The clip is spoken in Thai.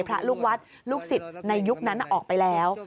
พระลูกวัดลูกศิษย์ในยุคนั้นออกไปแล้ว